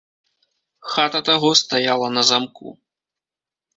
Хата таго стаяла на замку.